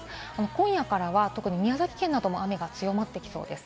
今夜から特に宮崎県などで雨が強まってきそうです。